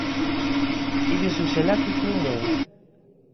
І без усялякіх умоў.